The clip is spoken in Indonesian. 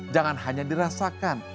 jangan hanya dirasakan